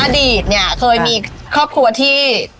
อดีตเนี่ยเคยมีครอบครัวที่